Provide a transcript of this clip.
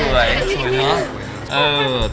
นี่ก็สวยสวยเนอะ